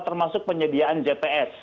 termasuk penyediaan jps